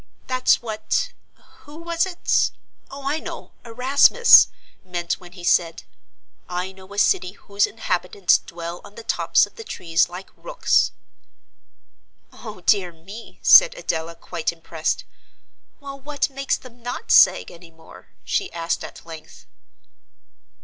That's what who was it? oh I know Erasmus meant when he said, 'I know a city whose inhabitants dwell on the tops of the trees like rooks.'" "O dear me," said Adela, quite impressed; "well, what makes them not sag any more?" she asked at length.